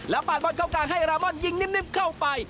ปาดบอลเข้ากลางให้รามอนยิงนิ่มเข้าไป